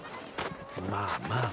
まあまあ。